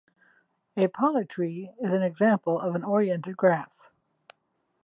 A polytree is an example of an oriented graph.